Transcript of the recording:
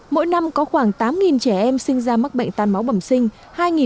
mỗi năm có khoảng tám trẻ em sinh ra mắc bệnh tan máu bẩm sinh